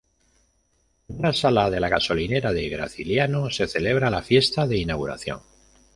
En una sala de la gasolinera de Graciliano, se celebra la fiesta de inauguración.